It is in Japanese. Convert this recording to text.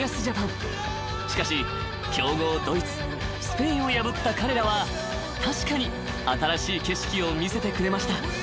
［しかし強豪ドイツスペインを破った彼らは確かに新しい景色を見せてくれました］